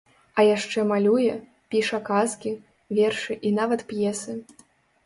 А яшчэ малюе, піша казкі, вершы і нават п'есы.